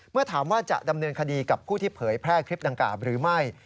เมื่อถามว่าจะดำเนินคดีกับผู้ที่เผยแพร่คลิปดังกล่าวหรือไม่